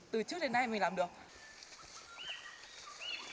từ trước đến nay mình làm được